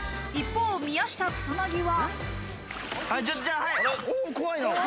一方、宮下草薙は。